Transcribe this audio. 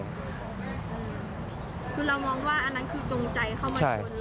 คือเรามองว่าอันนั้นคือจงใจเข้ามาชน